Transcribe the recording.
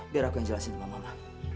biar aku yang jelasin sama mama